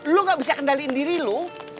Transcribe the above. lo nggak bisa kendaliin diri lo